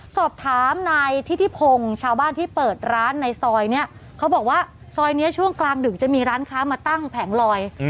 สอบถามนายทิศิพงศ์ชาวบ้านที่เปิดร้านในซอยนี้เขาบอกว่าซอยนี้ช่วงกลางดึกจะมีร้านค้ามาตั้งแผงลอย